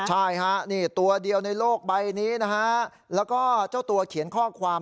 ใช่ฮะนี่ตัวเดียวในโลกใบนี้นะฮะแล้วก็เจ้าตัวเขียนข้อความ